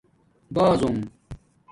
بازونگ